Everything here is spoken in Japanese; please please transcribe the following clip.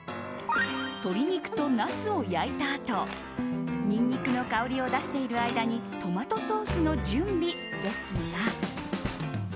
鶏肉とナスを焼いたあとニンニクの香りを出している間にトマトソースの準備ですが。